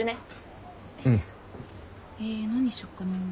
えー何しよっかなぁ。